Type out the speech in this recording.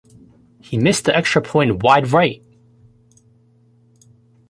He missed the extra point wide right!